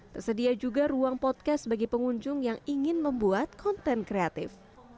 tersedia juga ruang podcast bagi pengunjung yang ingin membuat konten kreatif